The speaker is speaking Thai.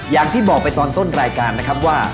อย่างที่บอกไปตอนต้นรายการนะครับว่า